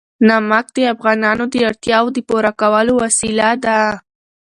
نمک د افغانانو د اړتیاوو د پوره کولو وسیله ده.